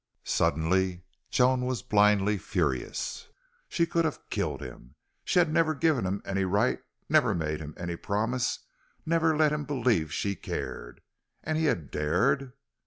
Suddenly Joan was blindly furious. She could have killed him. She had never given him any right, never made him any promise, never let him believe she cared. And he had dared